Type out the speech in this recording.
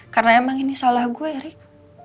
karena emang ini salah gue rik